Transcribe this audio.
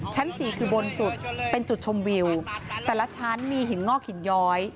สี่คือบนสุดเป็นจุดชมวิวแต่ละชั้นมีหินงอกหินย้อย